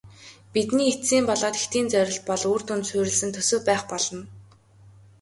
Бидний эцсийн болоод хэтийн зорилт бол үр дүнд суурилсан төсөв байх болно.